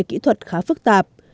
kỹ thuật khá phức tạp